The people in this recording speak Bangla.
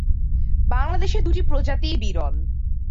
বাংলাদেশে দুটি প্রজাতিই বিরল।